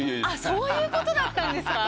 そういうことだったんですか。